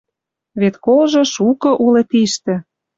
Вет колжы шукы улы тиштӹ.